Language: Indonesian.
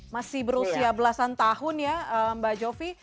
masih berusia belasan tahun ya mbak jovi